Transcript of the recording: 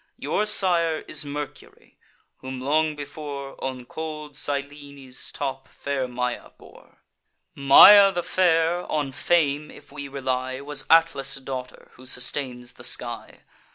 Your sire is Mercury, whom long before On cold Cyllene's top fair Maia bore. Maia the fair, on fame if we rely, Was Atlas' daughter, who sustains the sky.